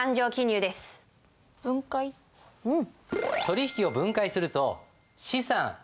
うん。